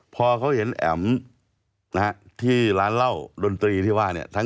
พอเขาเห็นแอ๋มนะฮะที่ร้านเหล้าดนตรีที่ว่าเนี่ย